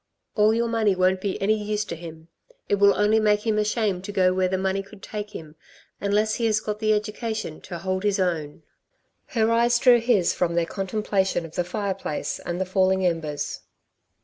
"All your money won't be any use to him, it will only make him ashamed to go where the money could take him unless he has got the education to hold his own." Her eyes drew his from their contemplation of the fireplace and the falling embers.